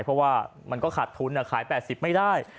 เพราะว่ามันก็ขาดทุนขาย๘๐ไม่ได้